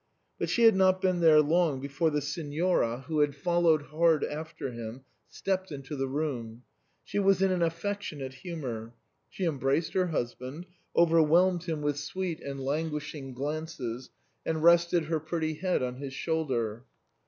But he had not been there long before the Signora, who had followed hard after him, stepped into the room. She was in an affectionate humour ; she embraced her husband, overwhelmed him with sweet THE CREMONA VIOLIN. 23 and languishing glances, and rested her pretty head on his shoulder.